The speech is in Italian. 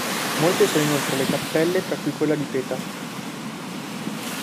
Molte sono inoltre le cappelle, tra cui quella di Peta.